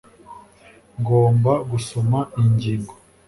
Ngomba gusoma iyi ngingo